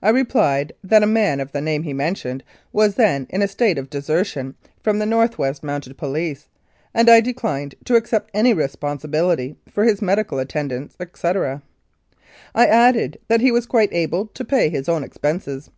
I replied that a man of the name he mentioned was then in a state of desertion from the N.W.M.P., and I declined to accept any responsibility for his medical attendance, etc. I added that he was quite able to pay his own expenses.